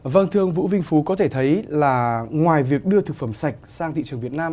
vâng thưa ông vũ vinh phú có thể thấy là ngoài việc đưa thực phẩm sạch sang thị trường việt nam